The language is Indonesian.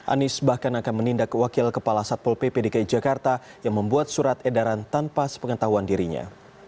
anies bahkan akan menindak wakil kepala satpol pp dki jakarta yang membuat surat edaran tanpa sepengetahuan dirinya